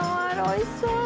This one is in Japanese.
おいしそう！」